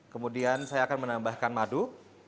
kemudian saya akan menambahkan madu